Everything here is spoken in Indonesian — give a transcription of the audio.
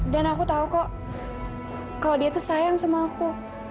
dan aku tahu kok kalau dia tuh sayang sama aku